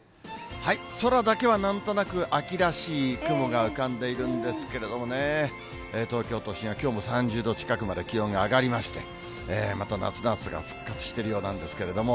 空だけはなんとなく秋らしい雲が浮かんでいるんですけれどもね、東京都心はきょうも３０度近くまで気温が上がりまして、また夏の暑さが復活しているようなんですけれども。